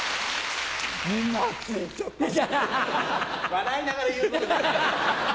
笑いながら言うことじゃない。